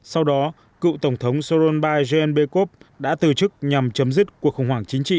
sau đó cựu tổng thống soronbai jenbekov đã từ chức nhằm chấm dứt cuộc khủng hoảng chính trị